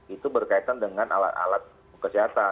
itu berkaitan dengan alat alat kesehatan